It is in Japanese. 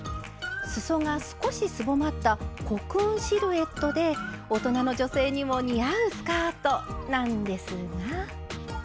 すそが少しすぼまったコクーンシルエットで大人の女性にも似合うスカートなんですが。